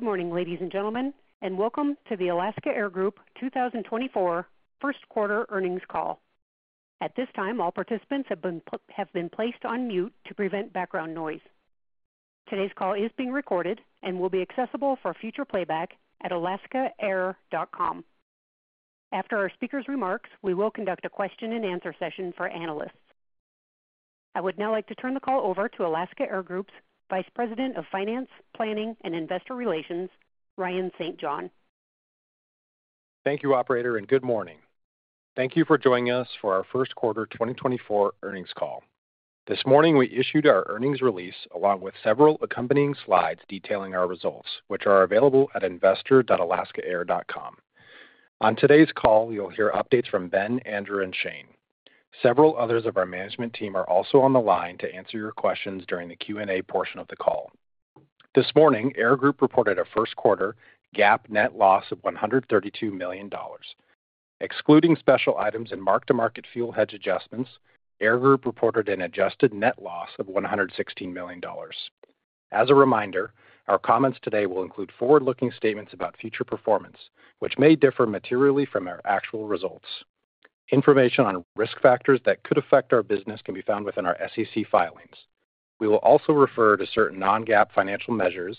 Good morning, ladies and gentlemen, and welcome to the Alaska Air Group 2024 first quarter earnings call. At this time, all participants have been placed on mute to prevent background noise. Today's call is being recorded and will be accessible for future playback at alaskaair.com. After our speakers' remarks, we will conduct a question-and-answer session for analysts. I would now like to turn the call over to Alaska Air Group's Vice President of Finance, Planning, and Investor Relations, Ryan St. John. Thank you, Operator, and Good morning. Thank you for joining us for our first quarter 2024 earnings call. This morning we issued our earnings release along with several accompanying slides detailing our results, which are available at investor.alaskaair.com. On today's call you'll hear updates from Ben, Andrew, and Shane. Several others of our management team are also on the line to answer your questions during the Q&A portion of the call. This morning Air Group reported a first quarter GAAP net loss of $132 million. Excluding special items and mark-to-market fuel hedge adjustments, Air Group reported an adjusted net loss of $116 million. As a reminder, our comments today will include forward-looking statements about future performance, which may differ materially from our actual results. Information on risk factors that could affect our business can be found within our SEC filings. We will also refer to certain non-GAAP financial measures,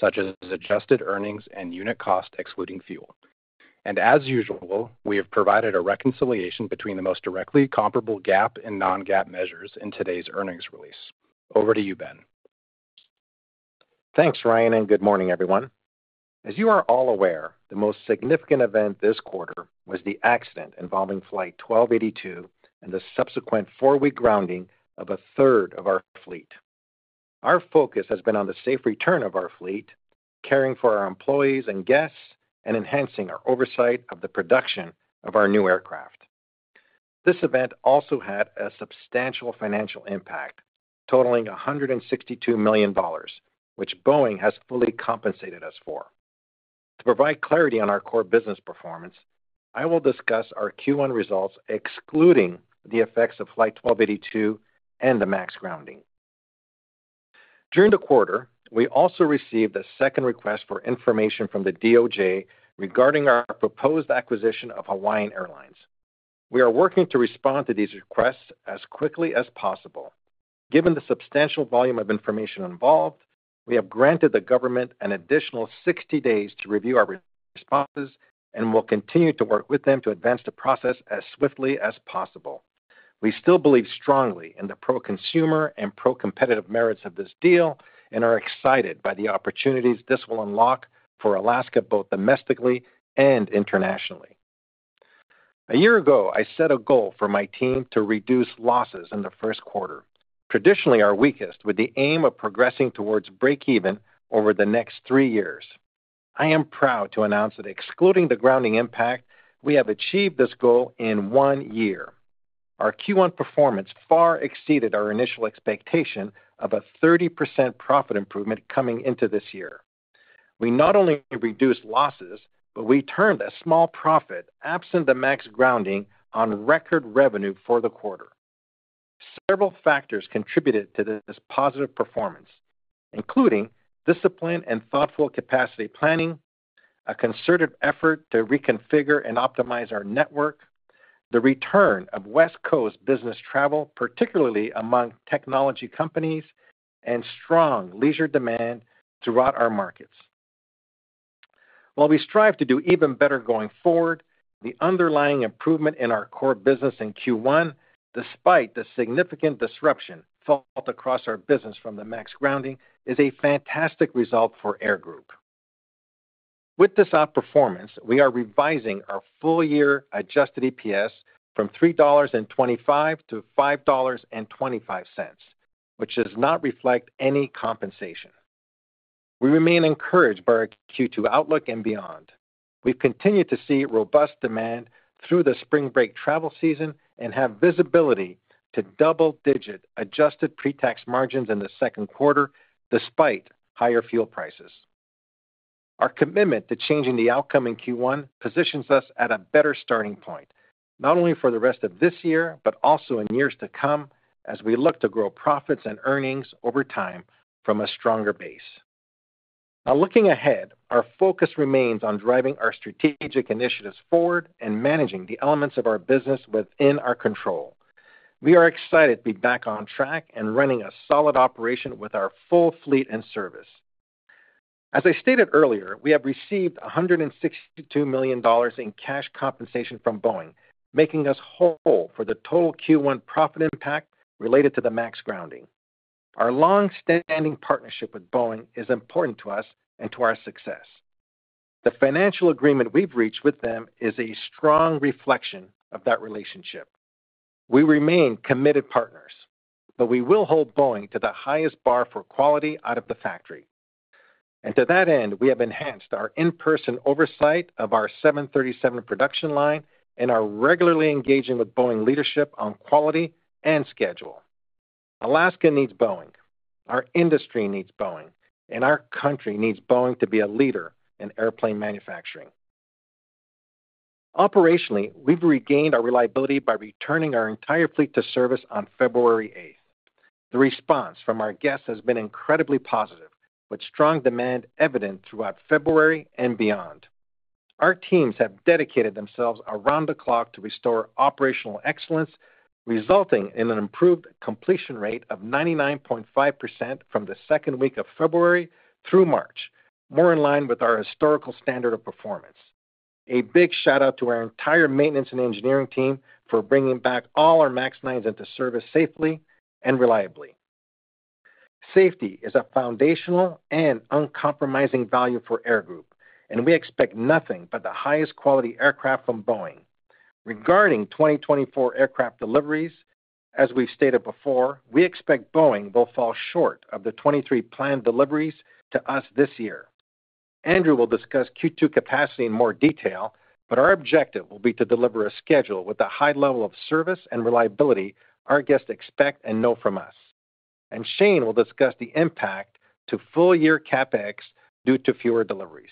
such as adjusted earnings and unit cost excluding fuel. As usual, we have provided a reconciliation between the most directly comparable GAAP and non-GAAP measures in today's earnings release. Over to you, Ben. Thanks, Ryan, and good morning, everyone. As you are all aware, the most significant event this quarter was the accident involving Flight 1282 and the subsequent four-week grounding of a third of our fleet. Our focus has been on the safe return of our fleet, caring for our employees and guests, and enhancing our oversight of the production of our new aircraft. This event also had a substantial financial impact, totaling $162 million, which Boeing has fully compensated us for. To provide clarity on our core business performance, I will discuss our Q1 results excluding the effects of Flight 1282 and the MAX grounding. During the quarter, we also received a second request for information from the DOJ regarding our proposed acquisition of Hawaiian Airlines. We are working to respond to these requests as quickly as possible. Given the substantial volume of information involved, we have granted the government an additional 60 days to review our responses and will continue to work with them to advance the process as swiftly as possible. We still believe strongly in the pro-consumer and pro-competitive merits of this deal and are excited by the opportunities this will unlock for Alaska both domestically and internationally. A year ago, I set a goal for my team to reduce losses in the first quarter, traditionally our weakest, with the aim of progressing towards break-even over the next three years. I am proud to announce that excluding the grounding impact, we have achieved this goal in one year. Our Q1 performance far exceeded our initial expectation of a 30% profit improvement coming into this year. We not only reduced losses, but we turned a small profit absent the MAX grounding on record revenue for the quarter. Several factors contributed to this positive performance, including discipline and thoughtful capacity planning, a concerted effort to reconfigure and optimize our network, the return of West Coast business travel, particularly among technology companies, and strong leisure demand throughout our markets. While we strive to do even better going forward, the underlying improvement in our core business in Q1, despite the significant disruption felt across our business from the MAX grounding, is a fantastic result for Air Group. With this outperformance, we are revising our full-year adjusted EPS from $3.25-$5.25, which does not reflect any compensation. We remain encouraged by our Q2 outlook and beyond. We've continued to see robust demand through the spring break travel season and have visibility to double-digit adjusted pre-tax margins in the second quarter despite higher fuel prices. Our commitment to changing the outcome in Q1 positions us at a better starting point, not only for the rest of this year but also in years to come as we look to grow profits and earnings over time from a stronger base. Now, looking ahead, our focus remains on driving our strategic initiatives forward and managing the elements of our business within our control. We are excited to be back on track and running a solid operation with our full fleet in service. As I stated earlier, we have received $162 million in cash compensation from Boeing, making us whole for the total Q1 profit impact related to the MAX grounding. Our long-standing partnership with Boeing is important to us and to our success. The financial agreement we've reached with them is a strong reflection of that relationship. We remain committed partners, but we will hold Boeing to the highest bar for quality out of the factory. And to that end, we have enhanced our in-person oversight of our 737 production line and are regularly engaging with Boeing leadership on quality and schedule. Alaska needs Boeing. Our industry needs Boeing. Our country needs Boeing to be a leader in airplane manufacturing. Operationally, we've regained our reliability by returning our entire fleet to service on February 8th. The response from our guests has been incredibly positive, with strong demand evident throughout February and beyond. Our teams have dedicated themselves around the clock to restore operational excellence, resulting in an improved completion rate of 99.5% from the second week of February through March, more in line with our historical standard of performance. A big shout-out to our entire maintenance and engineering team for bringing back all our MAX 9s into service safely and reliably. Safety is a foundational and uncompromising value for Air Group, and we expect nothing but the highest quality aircraft from Boeing. Regarding 2024 aircraft deliveries, as we've stated before, we expect Boeing will fall short of the 23 planned deliveries to us this year. Andrew will discuss Q2 capacity in more detail, but our objective will be to deliver a schedule with a high level of service and reliability our guests expect and know from us. Shane will discuss the impact to full-year CapEx due to fewer deliveries.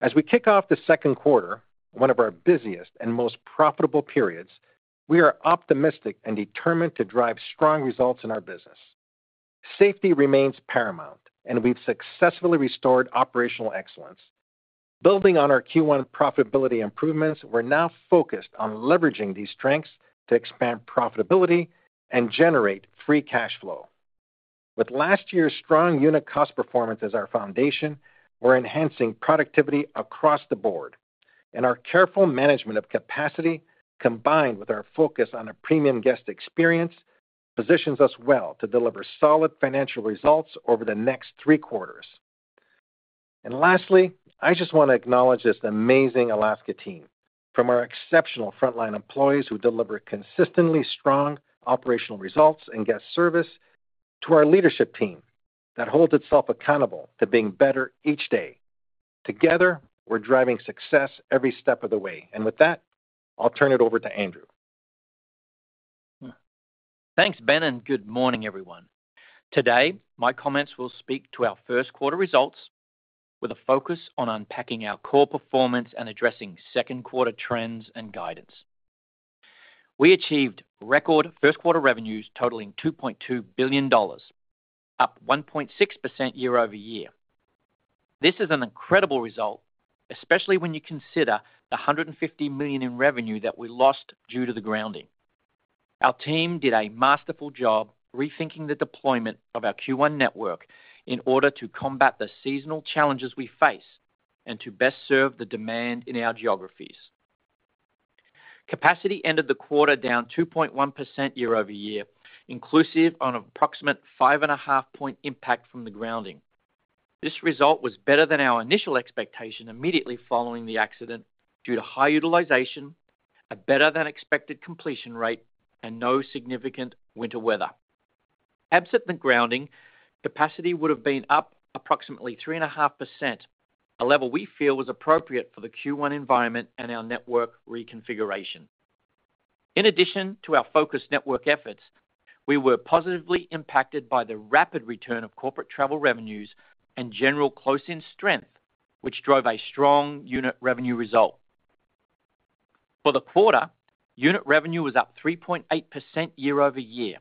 As we kick off the second quarter, one of our busiest and most profitable periods, we are optimistic and determined to drive strong results in our business. Safety remains paramount, and we've successfully restored operational excellence. Building on our Q1 profitability improvements, we're now focused on leveraging these strengths to expand profitability and generate free cash flow. With last year's strong unit cost performance as our foundation, we're enhancing productivity across the board, and our careful management of capacity, combined with our focus on a premium guest experience, positions us well to deliver solid financial results over the next three quarters. Lastly, I just want to acknowledge this amazing Alaska team, from our exceptional frontline employees who deliver consistently strong operational results and guest service, to our leadership team that holds itself accountable to being better each day. Together, we're driving success every step of the way. With that, I'll turn it over to Andrew. Thanks, Ben, and good morning, everyone. Today, my comments will speak to our first quarter results with a focus on unpacking our core performance and addressing second quarter trends and guidance. We achieved record first quarter revenues totaling $2.2 billion, up 1.6% year-over-year. This is an incredible result, especially when you consider the $150 million in revenue that we lost due to the grounding. Our team did a masterful job rethinking the deployment of our Q1 network in order to combat the seasonal challenges we face and to best serve the demand in our geographies. Capacity ended the quarter down 2.1% year-over-year, inclusive an approximate 5.5-point impact from the grounding. This result was better than our initial expectation immediately following the accident due to high utilization, a better-than-expected completion rate, and no significant winter weather. Absent the grounding, capacity would have been up approximately 3.5%, a level we feel was appropriate for the Q1 environment and our network reconfiguration. In addition to our focused network efforts, we were positively impacted by the rapid return of corporate travel revenues and general close-in strength, which drove a strong unit revenue result. For the quarter, unit revenue was up 3.8% year over year.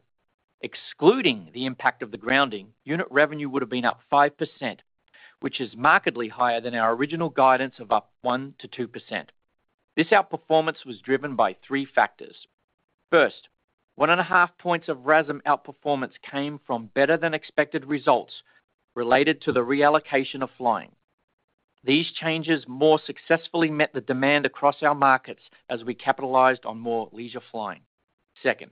Excluding the impact of the grounding, unit revenue would have been up 5%, which is markedly higher than our original guidance of up 1%-2%. This outperformance was driven by three factors. First, 1.5 points of RASM outperformance came from better-than-expected results related to the reallocation of flying. These changes more successfully met the demand across our markets as we capitalized on more leisure flying. Second,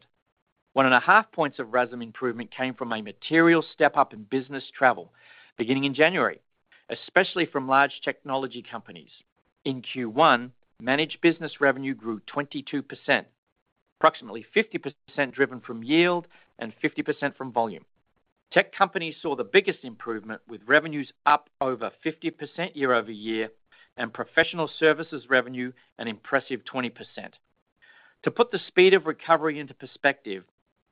1.5 points of RASM improvement came from a material step up in business travel beginning in January, especially from large technology companies. In Q1, managed business revenue grew 22%, approximately 50% driven from yield and 50% from volume. Tech companies saw the biggest improvement with revenues up over 50% year-over-year and professional services revenue an impressive 20%. To put the speed of recovery into perspective,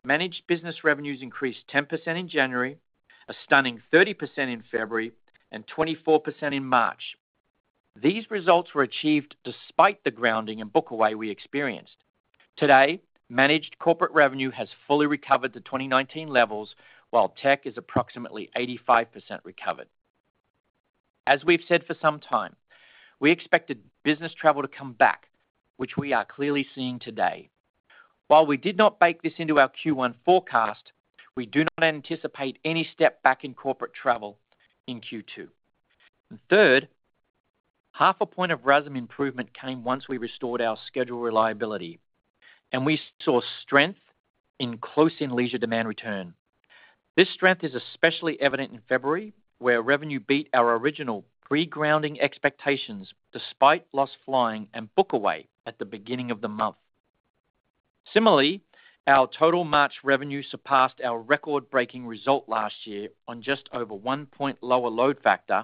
managed business revenues increased 10% in January, a stunning 30% in February, and 24% in March. These results were achieved despite the grounding and Bookaway we experienced. Today, managed corporate revenue has fully recovered to 2019 levels, while tech is approximately 85% recovered. As we've said for some time, we expected business travel to come back, which we are clearly seeing today. While we did not bake this into our Q1 forecast, we do not anticipate any step back in corporate travel in Q2. And third, half a point of RASM improvement came once we restored our schedule reliability, and we saw strength in close-in leisure demand return. This strength is especially evident in February, where revenue beat our original pre-grounding expectations despite lost flying and Bookaway at the beginning of the month. Similarly, our total March revenue surpassed our record-breaking result last year on just over one point lower load factor,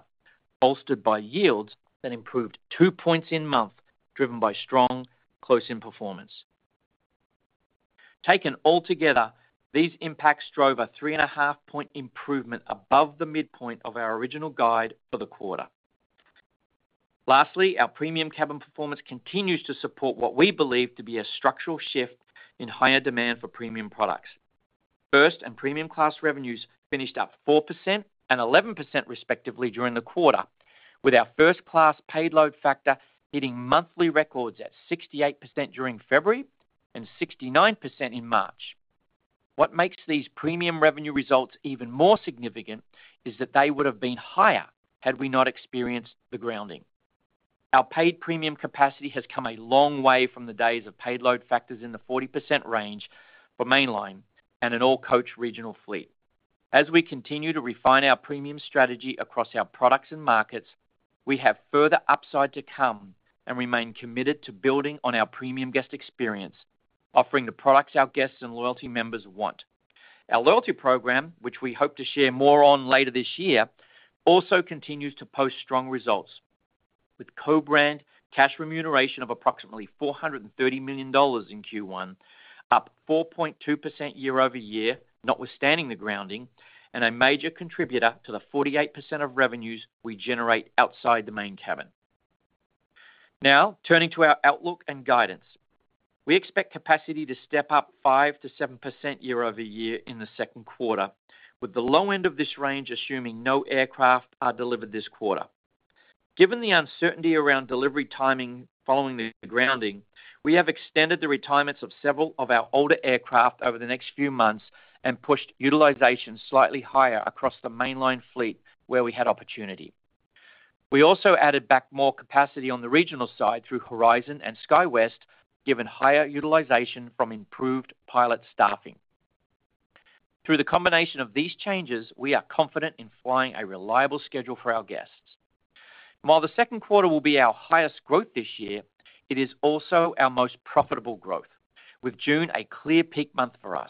bolstered by yields that improved two points in month driven by strong close-in performance. Taken altogether, these impacts drove a 3.5-point improvement above the midpoint of our original guide for the quarter. Lastly, our premium cabin performance continues to support what we believe to be a structural shift in higher demand for premium products. First Class and Premium Class revenues finished up 4% and 11% respectively during the quarter, with our First Class paid load factor hitting monthly records at 68% during February and 69% in March. What makes these premium revenue results even more significant is that they would have been higher had we not experienced the grounding. Our paid premium capacity has come a long way from the days of paid load factors in the 40% range for mainline and an all-coach regional fleet. As we continue to refine our premium strategy across our products and markets, we have further upside to come and remain committed to building on our premium guest experience, offering the products our guests and loyalty members want. Our loyalty program, which we hope to share more on later this year, also continues to post strong results, with co-brand cash remuneration of approximately $430 million in Q1, up 4.2% year-over-year, notwithstanding the grounding, and a major contributor to the 48% of revenues we generate outside the Main Cabin. Now, turning to our outlook and guidance, we expect capacity to step up 5%-7% year-over-year in the second quarter, with the low end of this range assuming no aircraft are delivered this quarter. Given the uncertainty around delivery timing following the grounding, we have extended the retirements of several of our older aircraft over the next few months and pushed utilization slightly higher across the Mainline fleet where we had opportunity. We also added back more capacity on the regional side through Horizon and SkyWest, given higher utilization from improved pilot staffing. Through the combination of these changes, we are confident in flying a reliable schedule for our guests. While the second quarter will be our highest growth this year, it is also our most profitable growth, with June a clear peak month for us.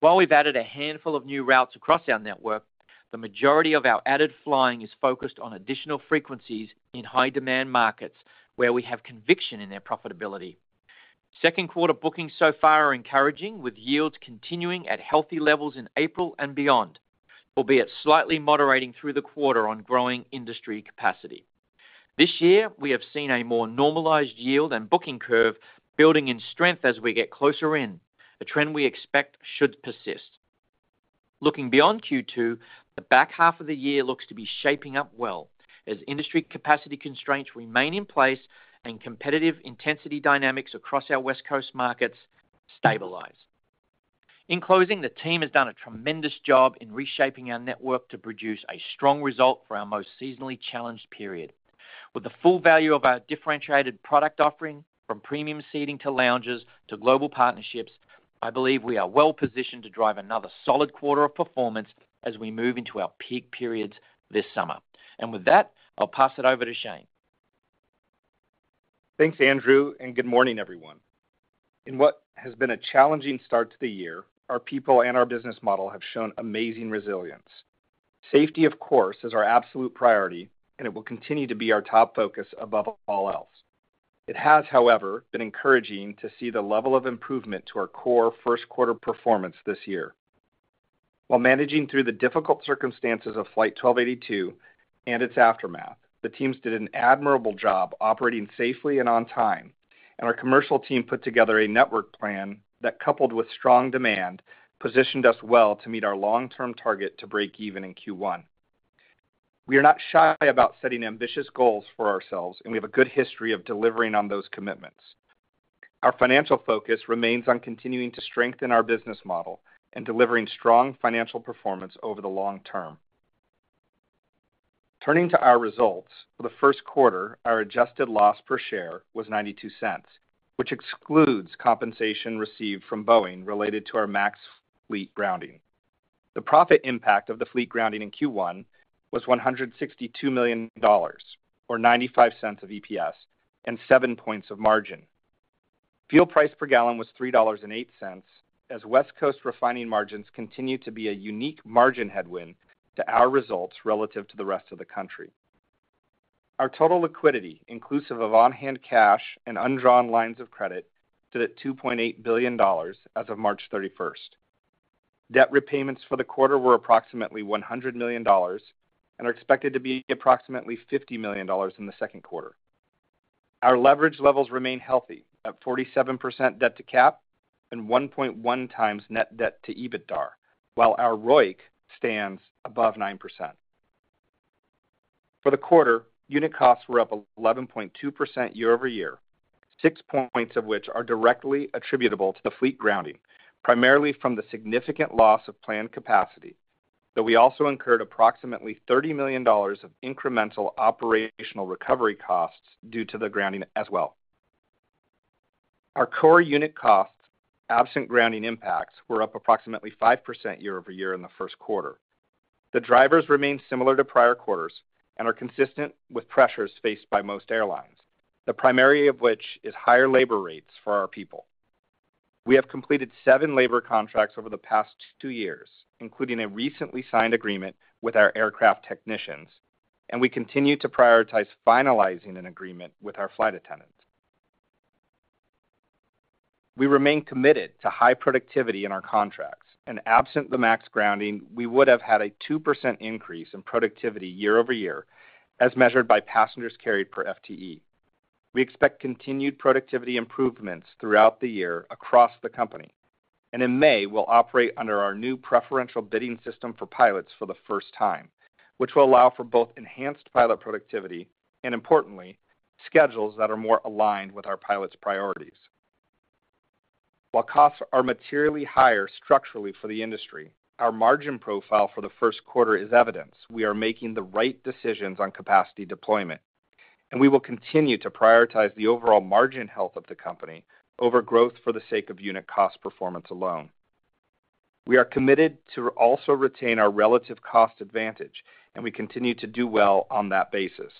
While we've added a handful of new routes across our network, the majority of our added flying is focused on additional frequencies in high-demand markets where we have conviction in their profitability. Second quarter bookings so far are encouraging, with yields continuing at healthy levels in April and beyond, albeit slightly moderating through the quarter on growing industry capacity. This year, we have seen a more normalized yield and booking curve building in strength as we get closer in, a trend we expect should persist. Looking beyond Q2, the back half of the year looks to be shaping up well as industry capacity constraints remain in place and competitive intensity dynamics across our West Coast markets stabilize. In closing, the team has done a tremendous job in reshaping our network to produce a strong result for our most seasonally challenged period. With the full value of our differentiated product offering, from premium seating to lounges to global partnerships, I believe we are well positioned to drive another solid quarter of performance as we move into our peak periods this summer. With that, I'll pass it over to Shane. Thanks, Andrew, and good morning, everyone. In what has been a challenging start to the year, our people and our business model have shown amazing resilience. Safety, of course, is our absolute priority, and it will continue to be our top focus above all else. It has, however, been encouraging to see the level of improvement to our core first quarter performance this year. While managing through the difficult circumstances of Flight 1282 and its aftermath, the teams did an admirable job operating safely and on time, and our commercial team put together a network plan that, coupled with strong demand, positioned us well to meet our long-term target to break even in Q1. We are not shy about setting ambitious goals for ourselves, and we have a good history of delivering on those commitments. Our financial focus remains on continuing to strengthen our business model and delivering strong financial performance over the long term. Turning to our results, for the first quarter, our adjusted loss per share was $0.92, which excludes compensation received from Boeing related to our MAX fleet grounding. The profit impact of the fleet grounding in Q1 was $162 million, or $0.95 of EPS, and seven points of margin. Fuel price per gallon was $3.08, as West Coast refining margins continue to be a unique margin headwind to our results relative to the rest of the country. Our total liquidity, inclusive of on-hand cash and undrawn lines of credit, stood at $2.8 billion as of March 31st. Debt repayments for the quarter were approximately $100 million and are expected to be approximately $50 million in the second quarter. Our leverage levels remain healthy at 47% debt-to-cap and 1.1 times net debt to EBITDA, while our ROIC stands above 9%. For the quarter, unit costs were up 11.2% year-over-year, 6 points of which are directly attributable to the fleet grounding, primarily from the significant loss of planned capacity, though we also incurred approximately $30 million of incremental operational recovery costs due to the grounding as well. Our core unit costs, absent grounding impacts, were up approximately 5% year-over-year in the first quarter. The drivers remain similar to prior quarters and are consistent with pressures faced by most airlines, the primary of which is higher labor rates for our people. We have completed seven labor contracts over the past two years, including a recently signed agreement with our aircraft technicians, and we continue to prioritize finalizing an agreement with our flight attendants. We remain committed to high productivity in our contracts, and absent the MAX grounding, we would have had a 2% increase in productivity year-over-year, as measured by passengers carried per FTE. We expect continued productivity improvements throughout the year across the company, and in May, we'll operate under our new preferential bidding system for pilots for the first time, which will allow for both enhanced pilot productivity and, importantly, schedules that are more aligned with our pilots' priorities. While costs are materially higher structurally for the industry, our margin profile for the first quarter is evidence we are making the right decisions on capacity deployment, and we will continue to prioritize the overall margin health of the company over growth for the sake of unit cost performance alone. We are committed to also retain our relative cost advantage, and we continue to do well on that basis.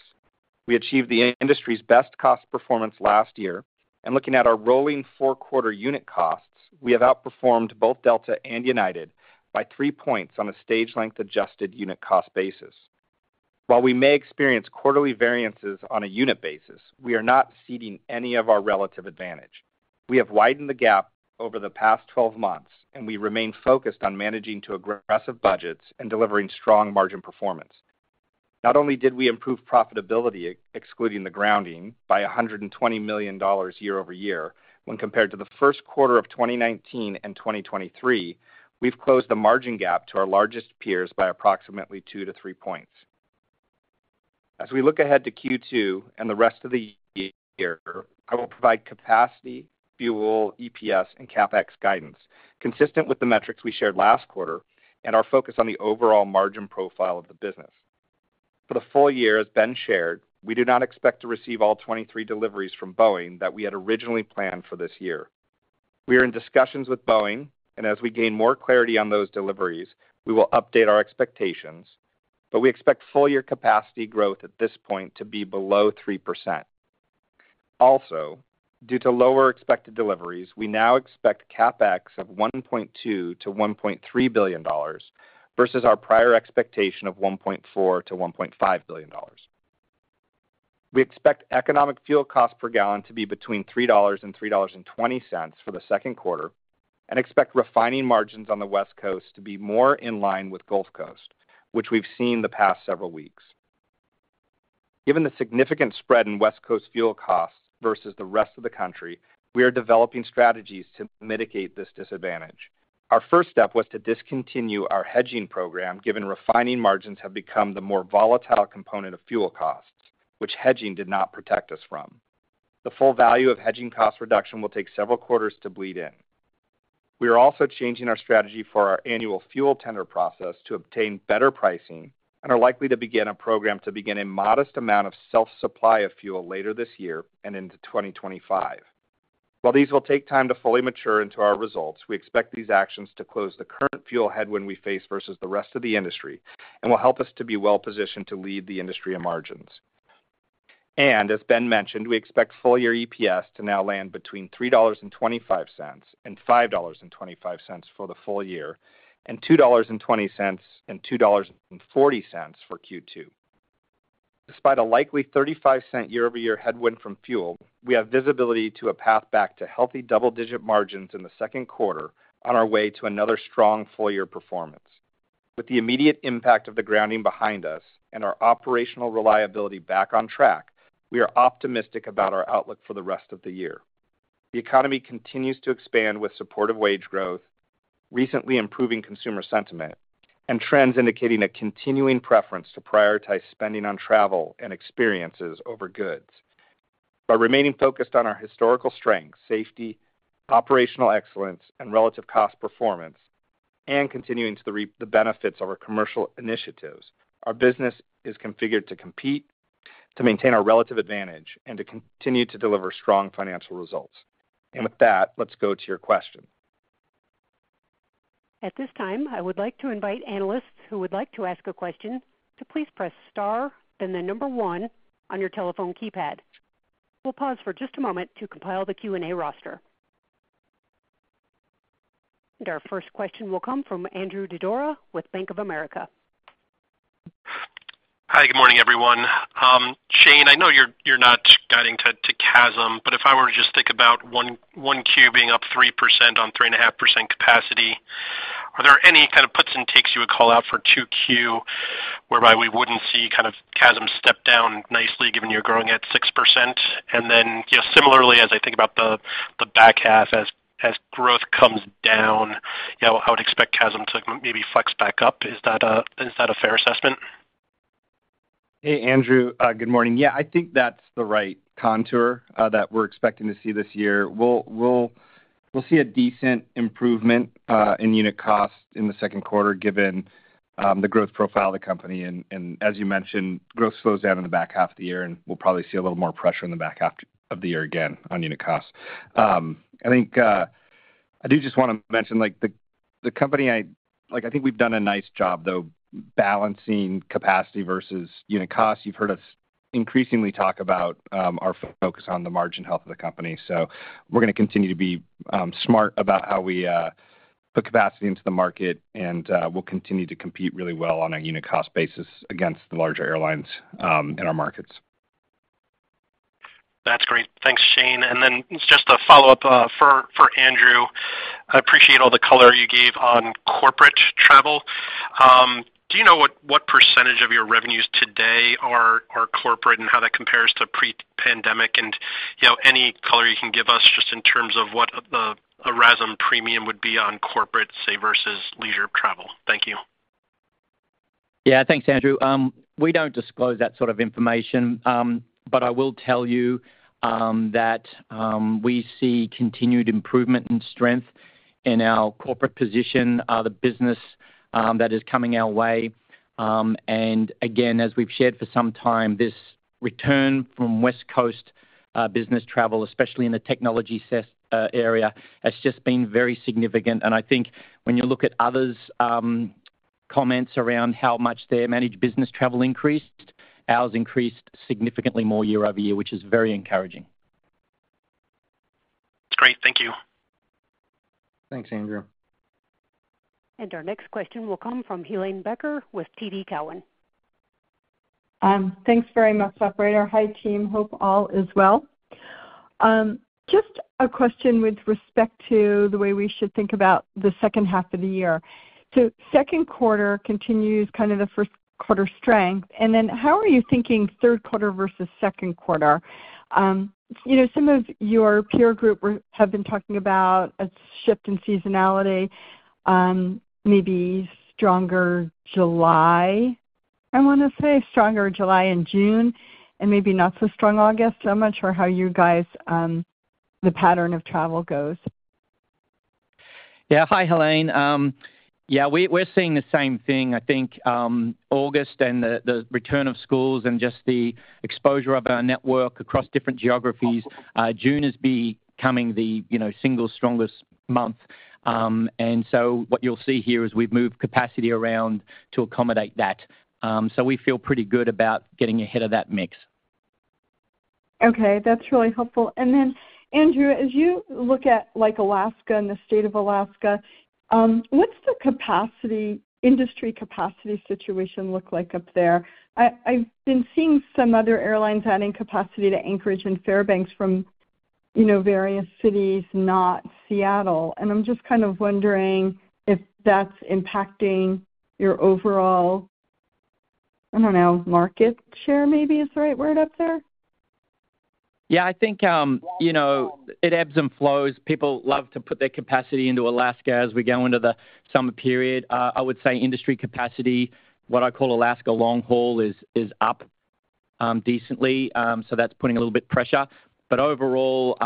We achieved the industry's best cost performance last year, and looking at our rolling four-quarter unit costs, we have outperformed both Delta and United by 3 points on a stage-length adjusted unit cost basis. While we may experience quarterly variances on a unit basis, we are not exceeding any of our relative advantage. We have widened the gap over the past 12 months, and we remain focused on managing to aggressive budgets and delivering strong margin performance. Not only did we improve profitability, excluding the grounding, by $120 million year-over-year, when compared to the first quarter of 2019 and 2023, we've closed the margin gap to our largest peers by approximately 2-3 points. As we look ahead to Q2 and the rest of the year, I will provide capacity, fuel, EPS, and CapEx guidance, consistent with the metrics we shared last quarter and our focus on the overall margin profile of the business. For the full year, as Ben shared, we do not expect to receive all 23 deliveries from Boeing that we had originally planned for this year. We are in discussions with Boeing, and as we gain more clarity on those deliveries, we will update our expectations, but we expect full-year capacity growth at this point to be below 3%. Also, due to lower expected deliveries, we now expect CapEx of $1.2-$1.3 billion versus our prior expectation of $1.4-$1.5 billion. We expect economic fuel cost per gallon to be between $3 and $3.20 for the second quarter and expect refining margins on the West Coast to be more in line with Gulf Coast, which we've seen the past several weeks. Given the significant spread in West Coast fuel costs versus the rest of the country, we are developing strategies to mitigate this disadvantage. Our first step was to discontinue our hedging program given refining margins have become the more volatile component of fuel costs, which hedging did not protect us from. The full value of hedging cost reduction will take several quarters to bleed in. We are also changing our strategy for our annual fuel tender process to obtain better pricing and are likely to begin a program to begin a modest amount of self-supply of fuel later this year and into 2025. While these will take time to fully mature into our results, we expect these actions to close the current fuel headwind we face versus the rest of the industry and will help us to be well positioned to lead the industry in margins. As Ben mentioned, we expect full-year EPS to now land between $3.25-$5.25 for the full year and $2.20-$2.40 for Q2. Despite a likely $0.35 year-over-year headwind from fuel, we have visibility to a path back to healthy double-digit margins in the second quarter on our way to another strong full-year performance. With the immediate impact of the grounding behind us and our operational reliability back on track, we are optimistic about our outlook for the rest of the year. The economy continues to expand with supportive wage growth, recently improving consumer sentiment, and trends indicating a continuing preference to prioritize spending on travel and experiences over goods. By remaining focused on our historical strengths (safety, operational excellence, and relative cost performance) and continuing to reap the benefits of our commercial initiatives, our business is configured to compete, to maintain our relative advantage, and to continue to deliver strong financial results. With that, let's go to your question. At this time, I would like to invite analysts who would like to ask a question to please press star, then the number 1 on your telephone keypad. We'll pause for just a moment to compile the Q&A roster. Our first question will come from Andrew Didora with Bank of America. Hi, good morning, everyone. Shane, I know you're not guiding to CASM, but if I were to just think about 1Q being up 3% on 3.5% capacity, are there any kind of puts and takes you would call out for 2Q whereby we wouldn't see CASM step down nicely given you're growing at 6%? And then similarly, as I think about the back half, as growth comes down, I would expect CASM to maybe flex back up. Is that a fair assessment? Hey, Andrew. Good morning. Yeah, I think that's the right contour that we're expecting to see this year. We'll see a decent improvement in unit cost in the second quarter given the growth profile of the company. And as you mentioned, growth slows down in the back half of the year, and we'll probably see a little more pressure in the back half of the year again on unit costs. I think I do just want to mention the company I think we've done a nice job, though, balancing capacity versus unit costs. You've heard us increasingly talk about our focus on the margin health of the company. So we're going to continue to be smart about how we put capacity into the market, and we'll continue to compete really well on a unit cost basis against the larger airlines in our markets. That's great. Thanks, Shane. And then just a follow-up for Andrew. I appreciate all the color you gave on corporate travel. Do you know what percentage of your revenues today are corporate and how that compares to pre-pandemic? And any color you can give us just in terms of what the RASM premium would be on corporate, say, versus leisure travel. Thank you. Yeah, thanks, Andrew. We don't disclose that sort of information, but I will tell you that we see continued improvement and strength in our corporate position, the business that is coming our way. And again, as we've shared for some time, this return from West Coast business travel, especially in the technology area, has just been very significant. And I think when you look at others' comments around how much their managed business travel increased, ours increased significantly more year over year, which is very encouraging. That's great. Thank you. Thanks, Andrew. Our next question will come from Helene Becker with TD Cowen. Thanks very much, operator. Hi, team. Hope all is well. Just a question with respect to the way we should think about the second half of the year. So second quarter continues kind of the first quarter strength. And then how are you thinking third quarter versus second quarter? Some of your peer group have been talking about a shift in seasonality, maybe stronger July, I want to say, stronger July and June, and maybe not so strong August so much, or how you guys the pattern of travel goes. Yeah. Hi, Helene. Yeah, we're seeing the same thing. I think August and the return of schools and just the exposure of our network across different geographies, June is becoming the single strongest month. And so what you'll see here is we've moved capacity around to accommodate that. So we feel pretty good about getting ahead of that mix. Okay. That's really helpful. And then, Andrew, as you look at Alaska and the state of Alaska, what's the industry capacity situation look like up there? I've been seeing some other airlines adding capacity to Anchorage and Fairbanks from various cities, not Seattle. And I'm just kind of wondering if that's impacting your overall, I don't know, market share maybe is the right word up there? Yeah, I think it ebbs and flows. People love to put their capacity into Alaska as we go into the summer period. I would say industry capacity, what I call Alaska long haul, is up decently. So that's putting a little bit of pressure. But overall,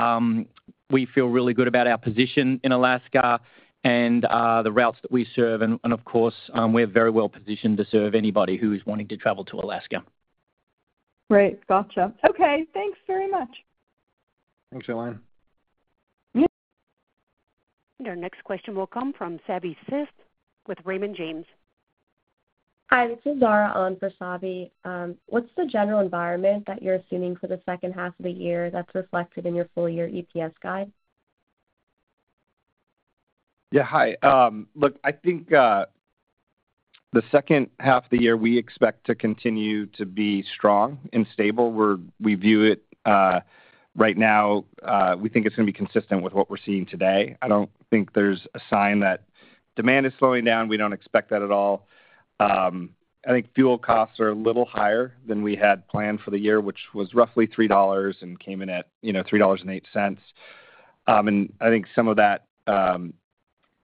we feel really good about our position in Alaska and the routes that we serve. And of course, we're very well positioned to serve anybody who is wanting to travel to Alaska. Great. Gotcha. Okay. Thanks very much. Thanks, Helene. Our next question will come from Savanthi Syth with Raymond James. Hi, this is Zara on for Savi. What's the general environment that you're assuming for the second half of the year that's reflected in your full-year EPS guide? Yeah, hi. Look, I think the second half of the year, we expect to continue to be strong and stable. We view it right now, we think it's going to be consistent with what we're seeing today. I don't think there's a sign that demand is slowing down. We don't expect that at all. I think fuel costs are a little higher than we had planned for the year, which was roughly $3 and came in at $3.08. And I think some of that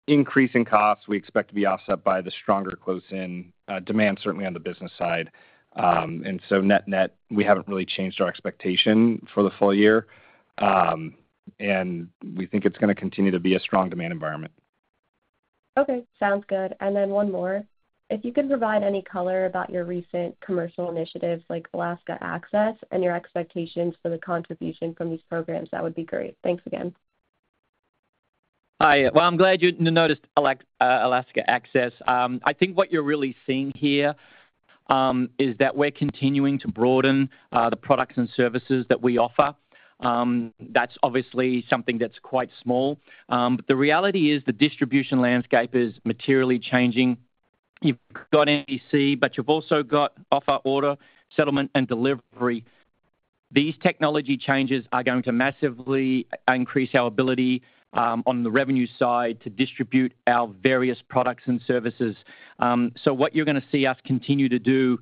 increase in costs, we expect to be offset by the stronger close-in demand, certainly on the business side. And so net-net, we haven't really changed our expectation for the full year. And we think it's going to continue to be a strong demand environment. Okay. Sounds good. And then one more. If you could provide any color about your recent commercial initiatives like Alaska Access and your expectations for the contribution from these programs, that would be great. Thanks again. Hi. Well, I'm glad you noticed Alaska Access. I think what you're really seeing here is that we're continuing to broaden the products and services that we offer. That's obviously something that's quite small. But the reality is the distribution landscape is materially changing. You've got NDC, but you've also got offer, order, settlement, and delivery. These technology changes are going to massively increase our ability on the revenue side to distribute our various products and services. So what you're going to see us continue to do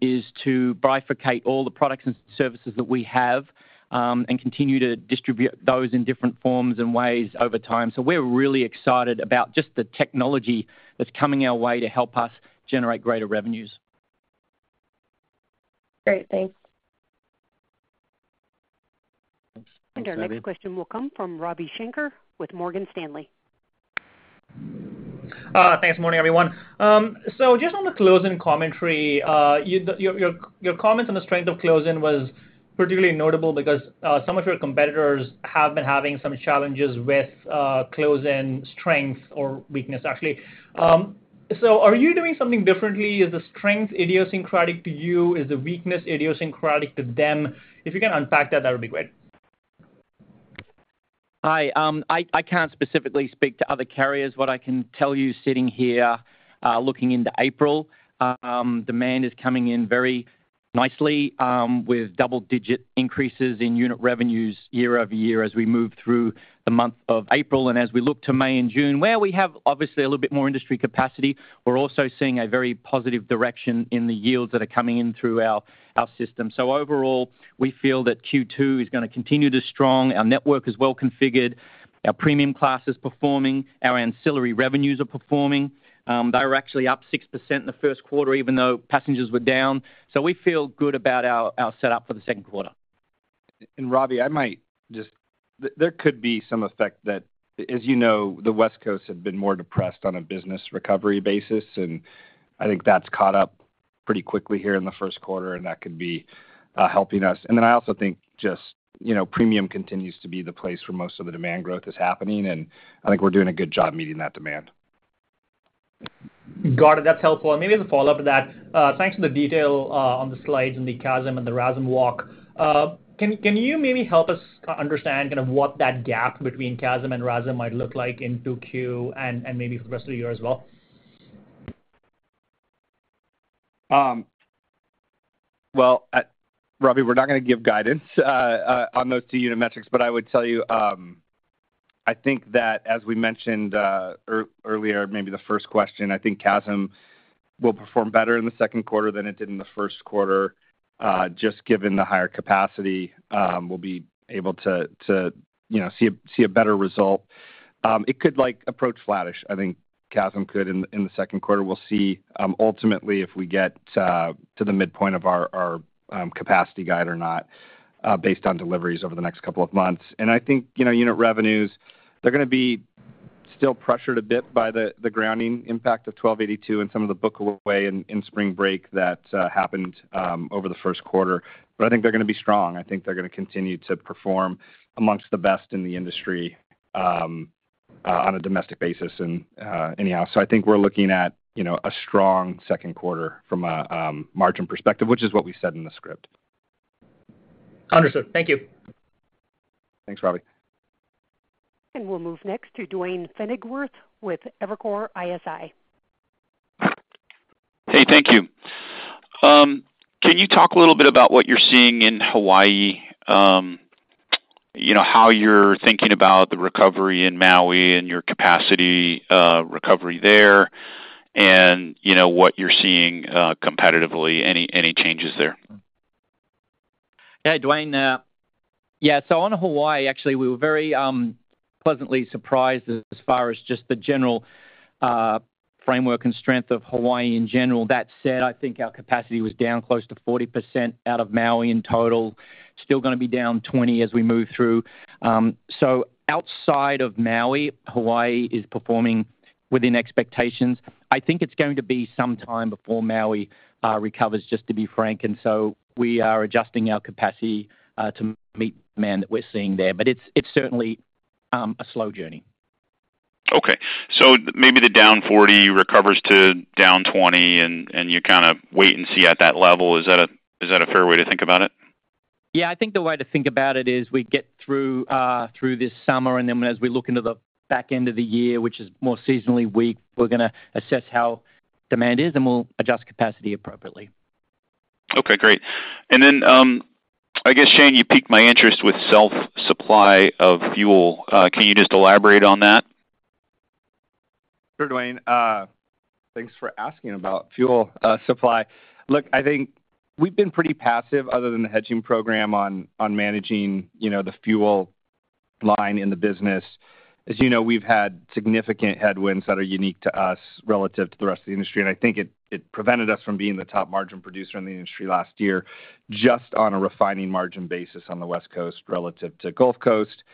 is to bifurcate all the products and services that we have and continue to distribute those in different forms and ways over time. So we're really excited about just the technology that's coming our way to help us generate greater revenues. Great. Thanks. Our next question will come from Ravi Shanker with Morgan Stanley. Thanks. Morning, everyone. So just on the closing commentary, your comments on the strength of closing was particularly notable because some of your competitors have been having some challenges with closing strength or weakness, actually. So are you doing something differently? Is the strength idiosyncratic to you? Is the weakness idiosyncratic to them? If you can unpack that, that would be great. Hi. I can't specifically speak to other carriers. What I can tell you, sitting here looking into April, demand is coming in very nicely with double-digit increases in unit revenues year-over-year as we move through the month of April. As we look to May and June, where we have obviously a little bit more industry capacity, we're also seeing a very positive direction in the yields that are coming in through our system. So overall, we feel that Q2 is going to continue to strong. Our network is well configured. Our Premium Class is performing. Our ancillary revenues are performing. They were actually up 6% in the first quarter, even though passengers were down. So we feel good about our setup for the second quarter. Ravi, there could be some effect that, as you know, the West Coast had been more depressed on a business recovery basis. I think that's caught up pretty quickly here in the first quarter, and that could be helping us. Then I also think just premium continues to be the place where most of the demand growth is happening. I think we're doing a good job meeting that demand. Got it. That's helpful. And maybe as a follow-up to that, thanks for the detail on the slides and the CASM and the RASM walk. Can you maybe help us understand kind of what that gap between CASM and RASM might look like in 2Q and maybe for the rest of the year as well? Well, Ravi, we're not going to give guidance on those two unit metrics. But I would tell you, I think that as we mentioned earlier, maybe the first question, I think CASM will perform better in the second quarter than it did in the first quarter. Just given the higher capacity, we'll be able to see a better result. It could approach flattish, I think CASM could in the second quarter. We'll see ultimately if we get to the midpoint of our capacity guide or not based on deliveries over the next couple of months. And I think unit revenues, they're going to be still pressured a bit by the grounding impact of 1282 and some of the Bookaway in spring break that happened over the first quarter. But I think they're going to be strong. I think they're going to continue to perform among the best in the industry on a domestic basis anyhow. So I think we're looking at a strong second quarter from a margin perspective, which is what we said in the script. Understood. Thank you. Thanks, Ravi. We'll move next to Duane Pfennigwerth with Evercore ISI. Hey, thank you. Can you talk a little bit about what you're seeing in Hawaii, how you're thinking about the recovery in Maui and your capacity recovery there, and what you're seeing competitively, any changes there? Yeah, Duane. Yeah, so on Hawaii, actually, we were very pleasantly surprised as far as just the general framework and strength of Hawaii in general. That said, I think our capacity was down close to 40% out of Maui in total, still going to be down 20% as we move through. So outside of Maui, Hawaii is performing within expectations. I think it's going to be some time before Maui recovers, just to be frank. And so we are adjusting our capacity to meet the demand that we're seeing there. But it's certainly a slow journey. Okay. So maybe the down 40% recovers to down 20%, and you kind of wait and see at that level. Is that a fair way to think about it? Yeah, I think the way to think about it is we get through this summer, and then as we look into the back end of the year, which is more seasonally weak, we're going to assess how demand is, and we'll adjust capacity appropriately. Okay. Great. And then I guess, Shane, you piqued my interest with self-supply of fuel. Can you just elaborate on that? Sure, Duane. Thanks for asking about fuel supply. Look, I think we've been pretty passive other than the hedging program on managing the fuel line in the business. As you know, we've had significant headwinds that are unique to us relative to the rest of the industry. And I think it prevented us from being the top margin producer in the industry last year just on a refining margin basis on the West Coast relative to Gulf Coast.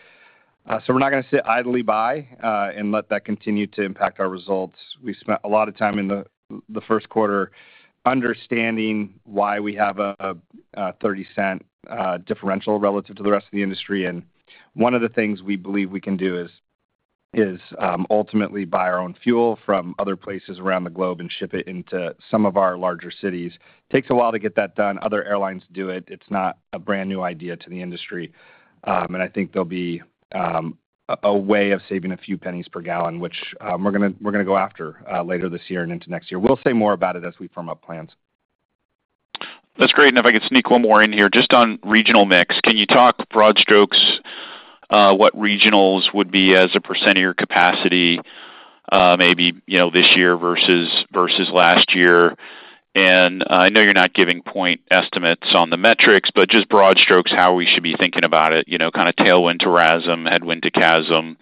So we're not going to sit idly by and let that continue to impact our results. We spent a lot of time in the first quarter understanding why we have a $0.30 differential relative to the rest of the industry. And one of the things we believe we can do is ultimately buy our own fuel from other places around the globe and ship it into some of our larger cities. Takes a while to get that done. Other airlines do it. It's not a brand new idea to the industry. I think there'll be a way of saving a few pennies per gallon, which we're going to go after later this year and into next year. We'll say more about it as we firm up plans. That's great. If I could sneak one more in here, just on regional mix, can you talk broad strokes what regionals would be as a percentage of your capacity maybe this year versus last year? I know you're not giving point estimates on the metrics, but just broad strokes, how we should be thinking about it, kind of tailwind to RASM, headwind to CASM,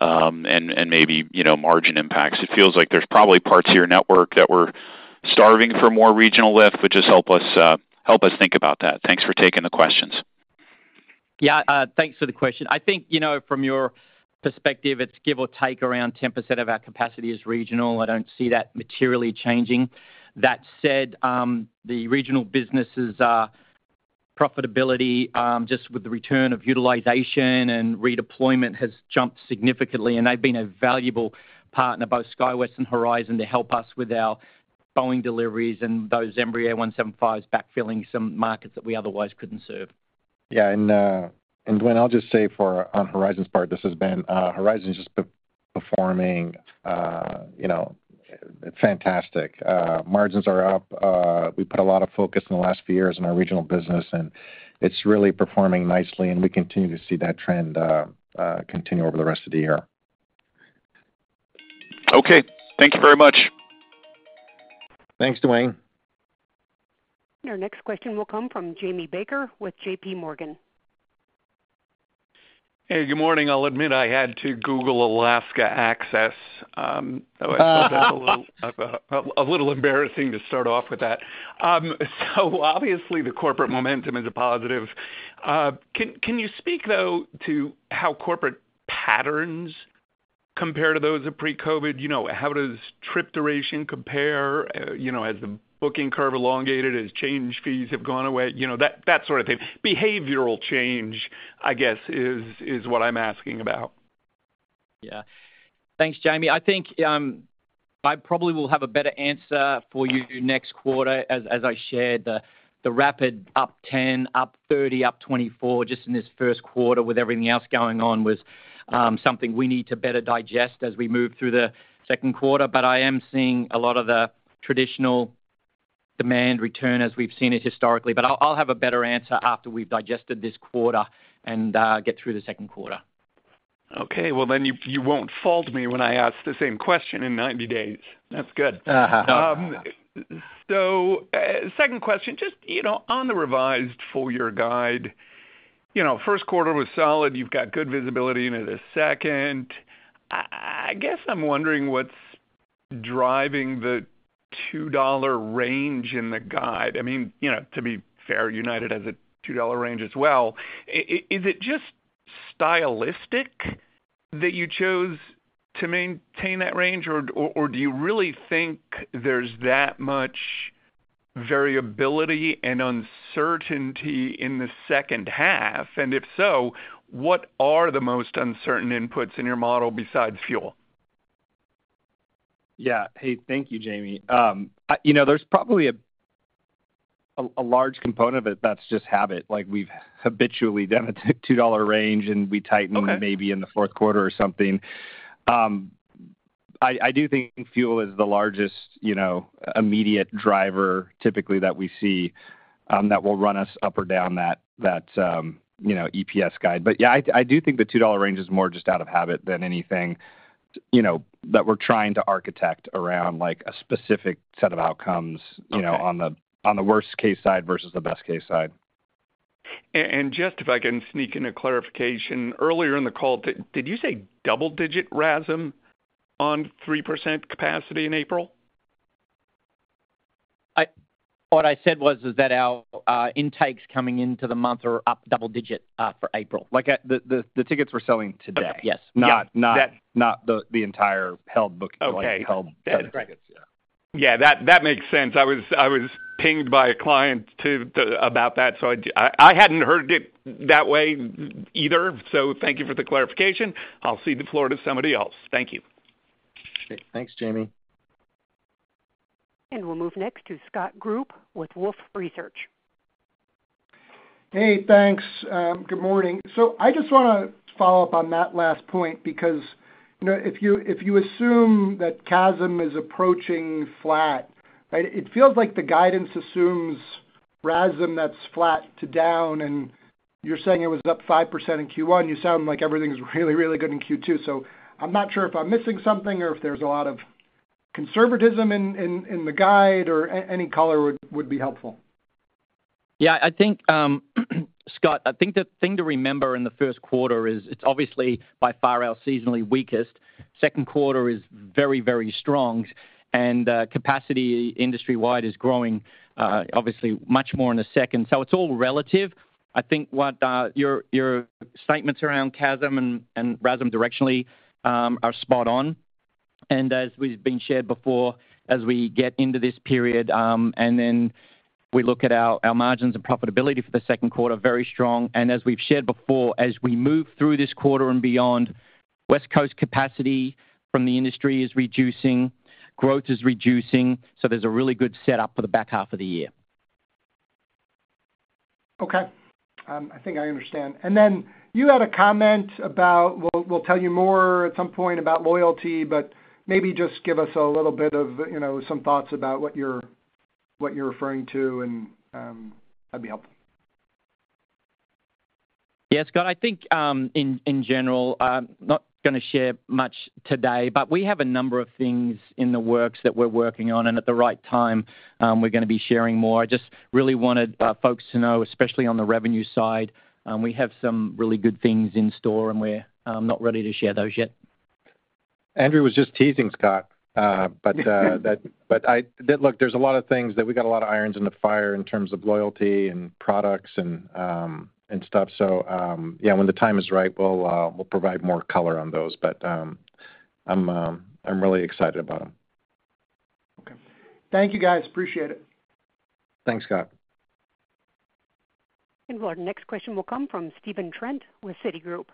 and maybe margin impacts. It feels like there's probably parts of your network that we're starving for more regional lift, but just help us think about that. Thanks for taking the questions. Yeah. Thanks for the question. I think from your perspective, it's give or take around 10% of our capacity is regional. I don't see that materially changing. That said, the regional businesses' profitability just with the return of utilization and redeployment has jumped significantly. And they've been a valuable partner, both SkyWest and Horizon, to help us with our Boeing deliveries and those Embraer 175s backfilling some markets that we otherwise couldn't serve. Yeah. And Duane, I'll just say on Horizon's part, Horizon's just performing fantastic. Margins are up. We put a lot of focus in the last few years on our regional business, and it's really performing nicely. And we continue to see that trend continue over the rest of the year. Okay. Thank you very much. Thanks, Duane. Our next question will come from Jamie Baker with J.P. Morgan. Hey, good morning. I'll admit I had to Google Alaska Access. That was a little embarrassing to start off with that. So obviously, the corporate momentum is a positive. Can you speak, though, to how corporate patterns compare to those of pre-COVID? How does trip duration compare as the booking curve elongated, as change fees have gone away, that sort of thing? Behavioral change, I guess, is what I'm asking about. Yeah. Thanks, Jamie. I think I probably will have a better answer for you next quarter as I shared. The rapid up 10%, up 30%, up 24% just in this first quarter with everything else going on was something we need to better digest as we move through the second quarter. But I am seeing a lot of the traditional demand return as we've seen it historically. But I'll have a better answer after we've digested this quarter and get through the second quarter. Okay. Well, then you won't fault me when I ask the same question in 90 days. That's good. So second question, just on the revised full-year guide, first quarter was solid. You've got good visibility into the second. I guess I'm wondering what's driving the $2 range in the guide. I mean, to be fair, United has a $2 range as well. Is it just stylistic that you chose to maintain that range, or do you really think there's that much variability and uncertainty in the second half? And if so, what are the most uncertain inputs in your model besides fuel? Yeah. Hey, thank you, Jamie. There's probably a large component of it that's just habit. We've habitually done a $2 range, and we tighten maybe in the fourth quarter or something. I do think fuel is the largest immediate driver typically that we see that will run us up or down that EPS guide. But yeah, I do think the $2 range is more just out of habit than anything that we're trying to architect around a specific set of outcomes on the worst-case side versus the best-case side. Just if I can sneak in a clarification, earlier in the call, did you say double-digit RASM on 3% capacity in April? What I said was that our intakes coming into the month are up double-digit for April. The tickets we're selling today. Yes. Not the entire held booking. Like held tickets. Yeah. Yeah. That makes sense. I was pinged by a client about that. So I hadn't heard it that way either. So thank you for the clarification. I'll see the floor to somebody else. Thank you. Great. Thanks, Jamie. We'll move next to Scott Group with Wolfe Research. Hey, thanks. Good morning. So I just want to follow up on that last point because if you assume that CASM is approaching flat, right, it feels like the guidance assumes RASM that's flat to down. And you're saying it was up 5% in Q1. You sound like everything's really, really good in Q2. So I'm not sure if I'm missing something or if there's a lot of conservatism in the guide, or any color would be helpful. Yeah. I think, Scott, I think the thing to remember in the first quarter is it's obviously by far our seasonally weakest. Second quarter is very, very strong. And capacity industry-wide is growing, obviously, much more in the second. So it's all relative. I think your statements around Chasm and Erasmus directionally are spot on. And as we've been shared before, as we get into this period and then we look at our margins and profitability for the second quarter, very strong. And as we've shared before, as we move through this quarter and beyond, West Coast capacity from the industry is reducing. Growth is reducing. So there's a really good setup for the back half of the year. Okay. I think I understand. And then you had a comment about we'll tell you more at some point about loyalty, but maybe just give us a little bit of some thoughts about what you're referring to, and that'd be helpful. Yeah, Scott, I think in general, not going to share much today, but we have a number of things in the works that we're working on. And at the right time, we're going to be sharing more. I just really wanted folks to know, especially on the revenue side, we have some really good things in store, and we're not ready to share those yet. Andrew was just teasing, Scott. But look, there's a lot of things that we got a lot of irons in the fire in terms of loyalty and products and stuff. So yeah, when the time is right, we'll provide more color on those. But I'm really excited about them. Okay. Thank you, guys. Appreciate it. Thanks, Scott. Our next question will come from Stephen Trent with Citigroup.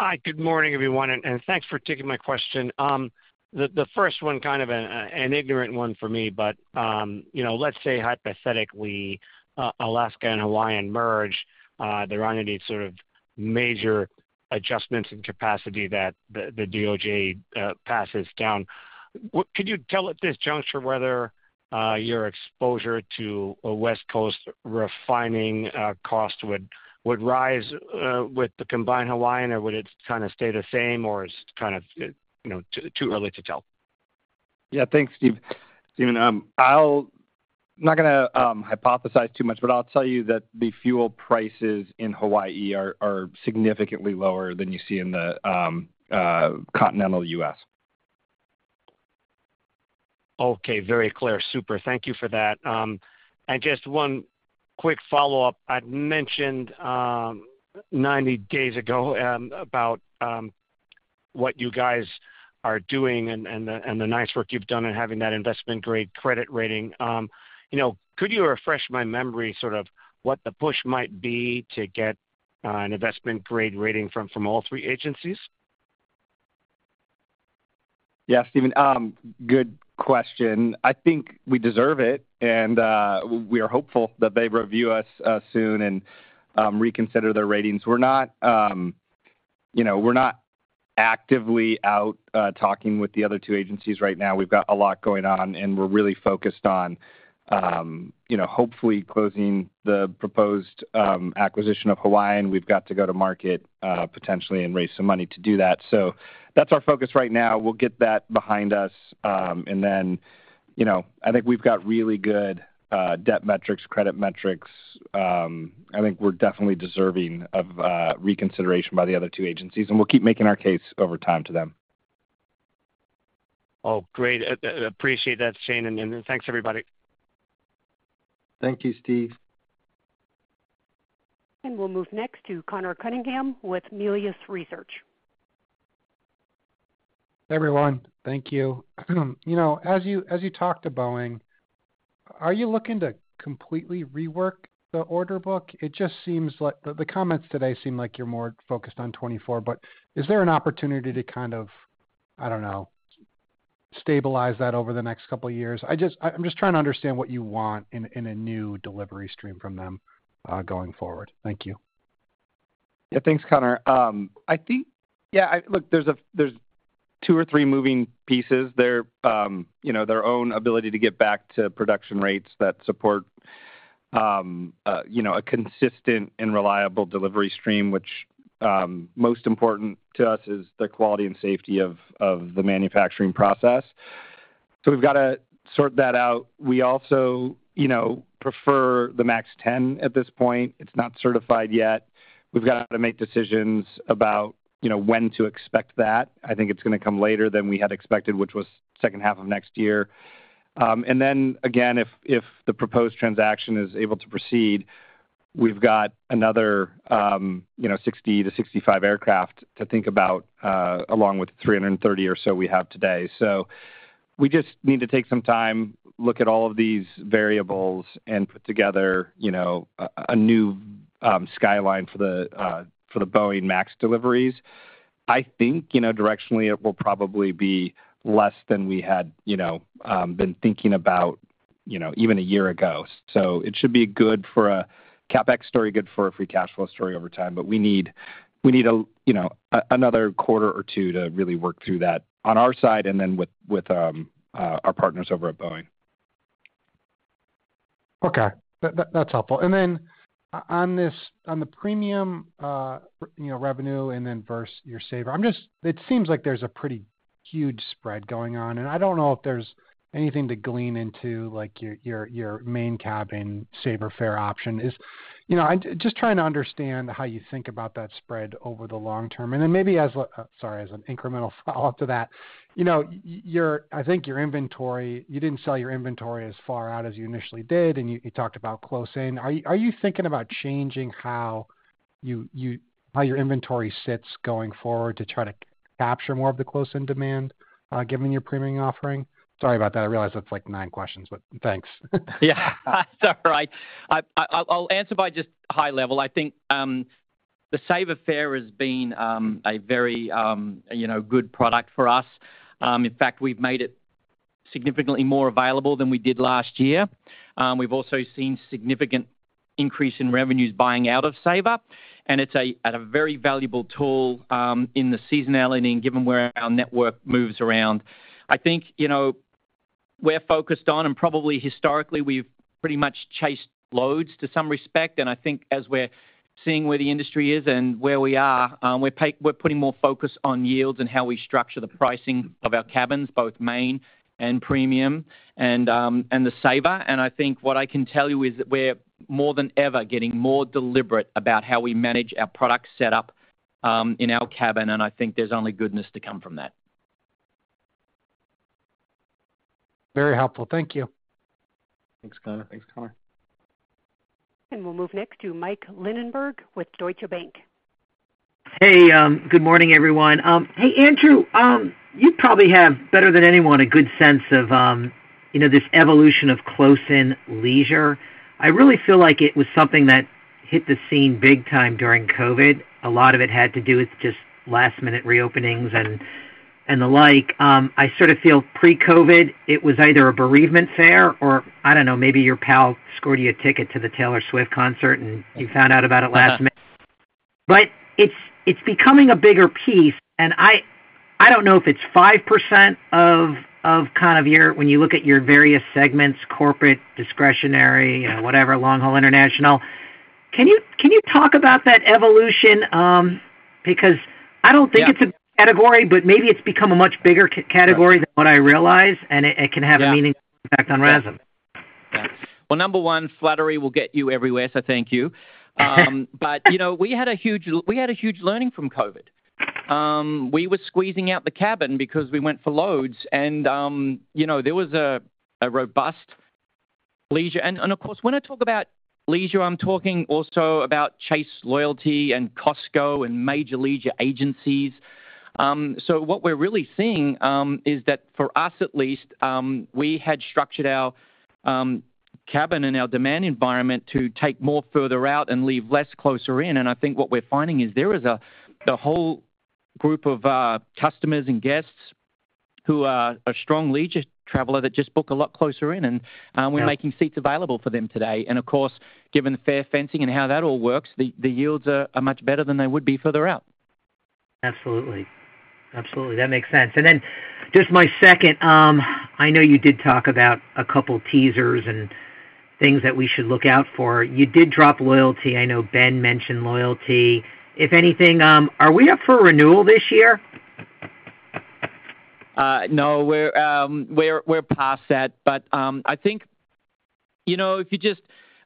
Hi. Good morning, everyone. Thanks for taking my question. The first one, kind of an ignorant one for me, but let's say hypothetically Alaska and Hawaii merge, there aren't any sort of major adjustments in capacity that the DOJ passes down. Could you tell at this juncture whether your exposure to a West Coast refining cost would rise with the combined Hawaiian, or would it kind of stay the same, or is it kind of too early to tell? Yeah. Thanks, Stephen. I'm not going to hypothesize too much, but I'll tell you that the fuel prices in Hawaii are significantly lower than you see in the Continental US. Okay. Very clear. Super. Thank you for that. Just one quick follow-up. I'd mentioned 90 days ago about what you guys are doing and the nice work you've done in having that investment-grade credit rating. Could you refresh my memory sort of what the push might be to get an investment-grade rating from all three agencies? Yeah, Steven. Good question. I think we deserve it, and we are hopeful that they review us soon and reconsider their ratings. We're not actively out talking with the other two agencies right now. We've got a lot going on, and we're really focused on hopefully closing the proposed acquisition of Hawaiian. We've got to go to market potentially and raise some money to do that. So that's our focus right now. We'll get that behind us. And then I think we've got really good debt metrics, credit metrics. I think we're definitely deserving of reconsideration by the other two agencies. And we'll keep making our case over time to them. Oh, great. Appreciate that, Shane. Thanks, everybody. Thank you, Steve. We'll move next to Connor Cunningham with Melius Research. Hey, everyone. Thank you. As you talked to Boeing, are you looking to completely rework the order book? The comments today seem like you're more focused on 2024, but is there an opportunity to kind of, I don't know, stabilize that over the next couple of years? I'm just trying to understand what you want in a new delivery stream from them going forward. Thank you. Yeah. Thanks, Connor. Yeah. Look, there's 2 or 3 moving pieces. Their own ability to get back to production rates that support a consistent and reliable delivery stream, which most important to us is the quality and safety of the manufacturing process. So we've got to sort that out. We also prefer the MAX 10 at this point. It's not certified yet. We've got to make decisions about when to expect that. I think it's going to come later than we had expected, which was second half of next year. And then again, if the proposed transaction is able to proceed, we've got another 60-65 aircraft to think about along with the 330 or so we have today. So we just need to take some time, look at all of these variables, and put together a new timeline for the Boeing MAX deliveries. I think directionally, it will probably be less than we had been thinking about even a year ago. So it should be good for a CapEx story, good for a free cash flow story over time. But we need another quarter or two to really work through that on our side and then with our partners over at Boeing. Okay. That's helpful. And then on the premium revenue and then versus your Saver, it seems like there's a pretty huge spread going on. And I don't know if there's anything to glean into your main cabin Saver fare option. Just trying to understand how you think about that spread over the long term. And then maybe as a sorry, as an incremental follow-up to that, I think you didn't sell your inventory as far out as you initially did, and you talked about close-in. Are you thinking about changing how your inventory sits going forward to try to capture more of the close-in demand given your premium offering? Sorry about that. I realize that's like nine questions, but thanks. Yeah. It's all right. I'll answer by just high level. I think the Saver fare has been a very good product for us. In fact, we've made it significantly more available than we did last year. We've also seen a significant increase in revenues buying out of Saver. And it's a very valuable tool in the seasonality and given where our network moves around. I think we're focused on and probably historically, we've pretty much chased loads in some respect. And I think as we're seeing where the industry is and where we are, we're putting more focus on yields and how we structure the pricing of our cabins, both main and premium and the Saver. And I think what I can tell you is that we're more than ever getting more deliberate about how we manage our product setup in our cabin. I think there's only goodness to come from that. Very helpful. Thank you. Thanks, Connor. Thanks, Connor. And we'll move next to Mike Linenberg with Deutsche Bank. Hey. Good morning, everyone. Hey, Andrew, you probably have better than anyone a good sense of this evolution of close-in leisure. I really feel like it was something that hit the scene big time during COVID. A lot of it had to do with just last-minute reopenings and the like. I sort of feel pre-COVID, it was either a bereavement fare or I don't know, maybe your pal scored you a ticket to the Taylor Swift concert, and you found out about it last minute. But it's becoming a bigger piece. And I don't know if it's 5% of kind of when you look at your various segments, corporate, discretionary, whatever, Long Haul International, can you talk about that evolution? Because I don't think it's a big category, but maybe it's become a much bigger category than what I realize, and it can have a meaningful impact on Erasmus. Yeah. Well, number 1, flattery will get you everywhere, so thank you. But we had a huge learning from COVID. We were squeezing out the cabin because we went for loads. And there was a robust leisure. And of course, when I talk about leisure, I'm talking also about Chase Loyalty and Costco and major leisure agencies. So what we're really seeing is that for us at least, we had structured our cabin and our demand environment to take more further out and leave less closer in. And I think what we're finding is there is a whole group of customers and guests who are a strong leisure traveler that just book a lot closer in. And we're making seats available for them today. And of course, given the fare fencing and how that all works, the yields are much better than they would be further out. Absolutely. Absolutely. That makes sense. Then just my second, I know you did talk about a couple of teasers and things that we should look out for. You did drop loyalty. I know Ben mentioned loyalty. If anything, are we up for renewal this year? No. We're past that. But I think if you just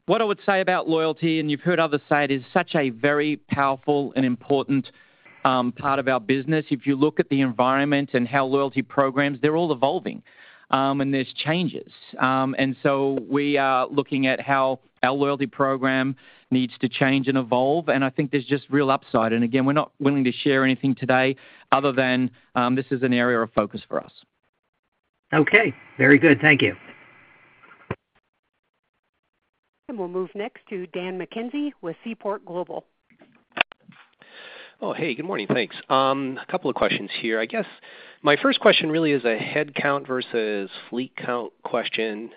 what I would say about loyalty, and you've heard other side, is such a very powerful and important part of our business. If you look at the environment and how loyalty programs, they're all evolving, and there's changes. And so we are looking at how our loyalty program needs to change and evolve. And I think there's just real upside. And again, we're not willing to share anything today other than this is an area of focus for us. Okay. Very good. Thank you. We'll move next to Dan McKenzie with Seaport Global. Oh, hey. Good morning. Thanks. A couple of questions here. I guess my first question really is a headcount versus fleet count question.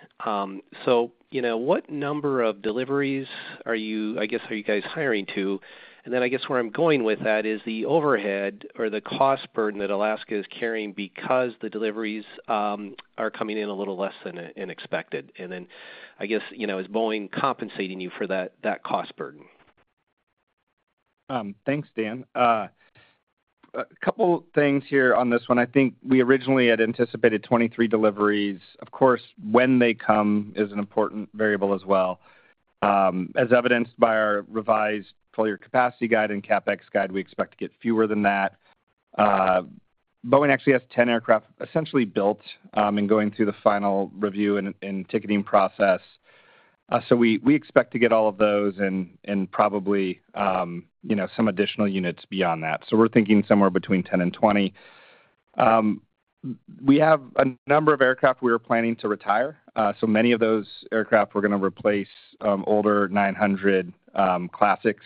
So what number of deliveries are you I guess are you guys hiring to? And then I guess where I'm going with that is the overhead or the cost burden that Alaska is carrying because the deliveries are coming in a little less than expected. And then I guess is Boeing compensating you for that cost burden? Thanks, Dan. A couple of things here on this one. I think we originally had anticipated 23 deliveries. Of course, when they come is an important variable as well. As evidenced by our revised full-year capacity guide and CapEx guide, we expect to get fewer than that. Boeing actually has 10 aircraft essentially built and going through the final review and ticketing process. So we expect to get all of those and probably some additional units beyond that. So we're thinking somewhere between 10 and 20. We have a number of aircraft we are planning to retire. So many of those aircraft, we're going to replace older 900 Classics.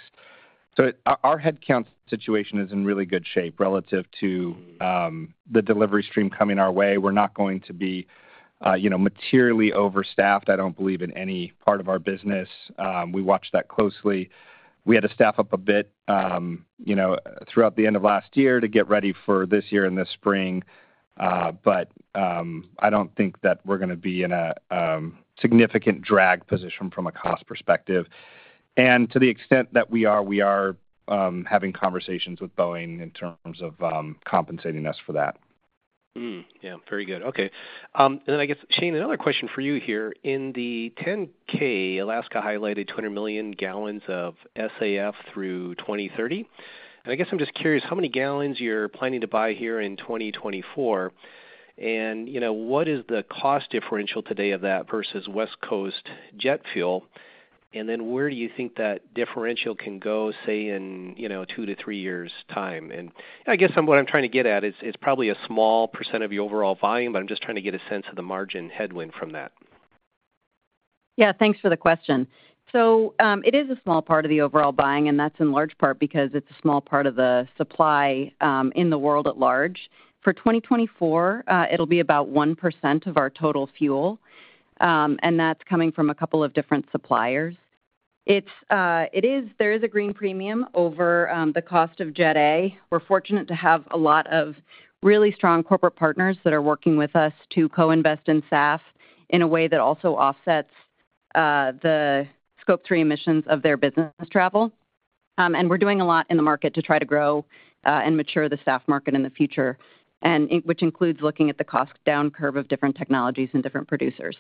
So our headcount situation is in really good shape relative to the delivery stream coming our way. We're not going to be materially overstaffed. I don't believe in any part of our business. We watch that closely. We had to staff up a bit throughout the end of last year to get ready for this year and this spring. But I don't think that we're going to be in a significant drag position from a cost perspective. And to the extent that we are, we are having conversations with Boeing in terms of compensating us for that. Yeah. Very good. Okay. Then I guess, Shane, another question for you here. In the 10-K, Alaska highlighted 200 million gallons of SAF through 2030. I guess I'm just curious how many gallons you're planning to buy here in 2024, and what is the cost differential today of that versus West Coast jet fuel? Where do you think that differential can go, say, in two to three years' time? I guess what I'm trying to get at, it's probably a small percent of your overall volume, but I'm just trying to get a sense of the margin headwind from that. Yeah. Thanks for the question. So it is a small part of the overall buying, and that's in large part because it's a small part of the supply in the world at large. For 2024, it'll be about 1% of our total fuel, and that's coming from a couple of different suppliers. There is a green premium over the cost of Jet A. We're fortunate to have a lot of really strong corporate partners that are working with us to co-invest in SAF in a way that also offsets the scope three emissions of their business travel. And we're doing a lot in the market to try to grow and mature the SAF market in the future, which includes looking at the cost down curve of different technologies and different producers.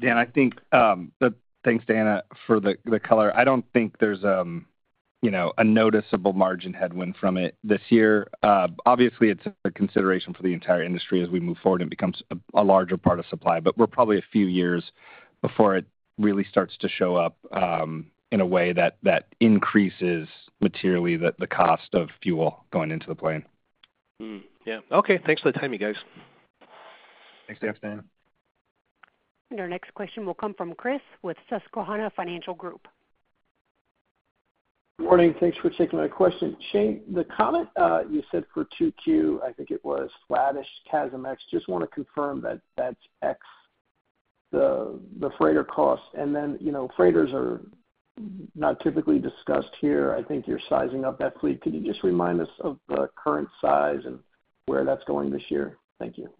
Dan, I think that. Thanks, Dan, ah, perfect for the color. I don't think there's a noticeable margin headwind from it this year. Obviously, it's a consideration for the entire industry as we move forward. It becomes a larger part of supply, but we're probably a few years before it really starts to show up in a way that increases materially the cost of fuel going into the plane. Yeah. Okay. Thanks for the time, you guys. Thanks, thanks, Dan. Our next question will come from Chris with Susquehanna Financial Group. Good morning. Thanks for taking my question. Shane, the comment you said for 2Q, I think it was, flat-ish CASM ex. Just want to confirm that that's ex, the freighter cost. And then freighters are not typically discussed here. I think you're sizing up that fleet. Could you just remind us of the current size and where that's going this year? Thank you.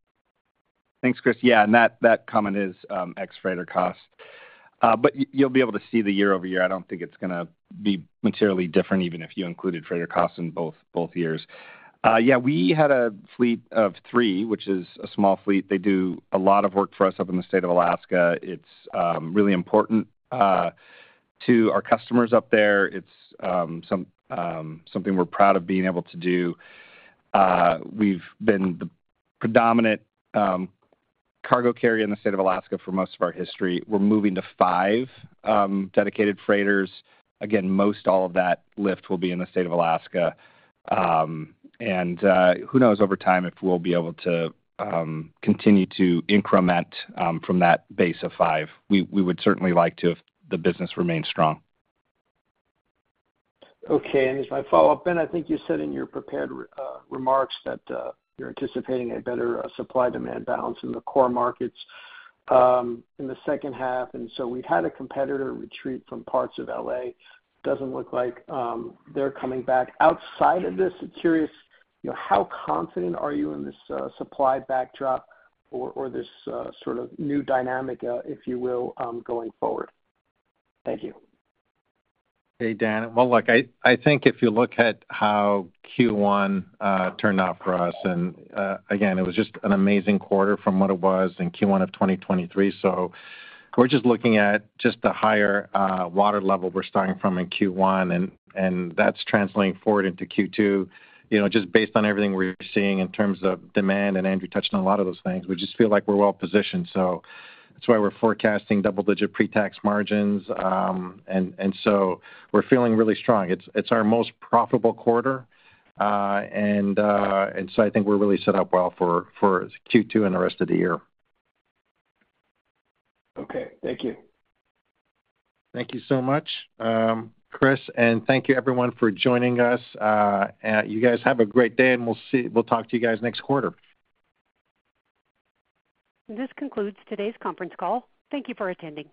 Thanks, Chris. Yeah. And that comment is ex-freighter cost. But you'll be able to see the year-over-year. I don't think it's going to be materially different even if you included freighter costs in both years. Yeah. We had a fleet of 3, which is a small fleet. They do a lot of work for us up in the state of Alaska. It's really important to our customers up there. It's something we're proud of being able to do. We've been the predominant cargo carrier in the state of Alaska for most of our history. We're moving to 5 dedicated freighters. Again, most all of that lift will be in the state of Alaska. And who knows over time if we'll be able to continue to increment from that base of 5. We would certainly like to if the business remains strong. Okay. And as my follow-up, Ben, I think you said in your prepared remarks that you're anticipating a better supply-demand balance in the core markets in the second half. And so we've had a competitor retreat from parts of L.A. Doesn't look like they're coming back. Outside of this, it's curious, how confident are you in this supply backdrop or this sort of new dynamic, if you will, going forward? Thank you. Hey, Dan. Well, look, I think if you look at how Q1 turned out for us and again, it was just an amazing quarter from what it was in Q1 of 2023. So we're just looking at just the higher water level we're starting from in Q1, and that's translating forward into Q2. Just based on everything we're seeing in terms of demand and Andrew touching on a lot of those things, we just feel like we're well positioned. So that's why we're forecasting double-digit pre-tax margins. And so we're feeling really strong. It's our most profitable quarter. And so I think we're really set up well for Q2 and the rest of the year. Okay. Thank you. Thank you so much, Chris. Thank you, everyone, for joining us. You guys have a great day, and we'll talk to you guys next quarter. This concludes today's conference call. Thank you for attending.